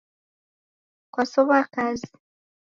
Kwasow'a kazi?